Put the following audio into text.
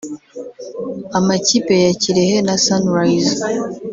Amakipe ya Kirehe na Sunrise